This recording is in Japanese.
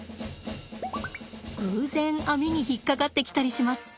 偶然網に引っ掛かってきたりします。